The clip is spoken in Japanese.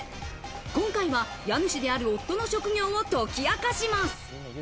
今回は家主である夫の職業を解き明かします。